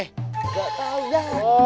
gak tau ya